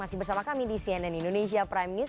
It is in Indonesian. masih bersama kami di sian nen indonesia prime news